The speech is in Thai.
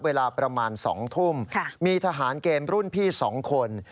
เวลาประมาณ๒ทุ่มมีทหารเกมรุ่นพี่๒คน